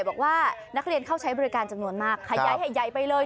บอกว่านักเรียนเข้าใช้บริการจำนวนมากขยายให้ใหญ่ไปเลย